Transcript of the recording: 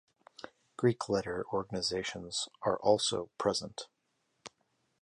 Greek-letter organizations are also present.